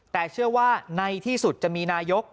แต่เชื่อว่าในที่สุดจะมีนายก